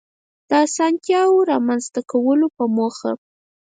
د آسانتیاوو رامنځته کولو په موخه